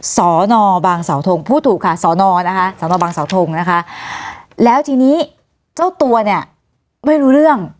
สอนอบางสาวทงพูดถูกค่ะสอนอนะคะสอนอบางเสาทงนะคะแล้วทีนี้เจ้าตัวเนี่ยไม่รู้เรื่อง